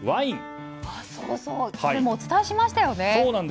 それ、お伝えしましたよね。